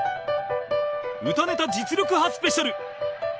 歌ネタ実力刃スペシャル